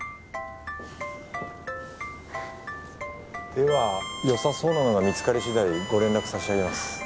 ではよさそうなものが見つかりしだいご連絡さしあげます。